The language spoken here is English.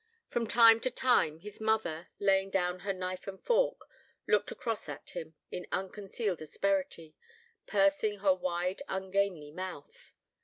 From time to time his mother, laying down her knife and fork, looked across at him in unconcealed asperity, pursing her wide, ungainly mouth.